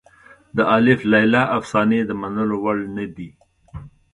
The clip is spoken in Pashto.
د الف لیله افسانې د منلو وړ نه دي.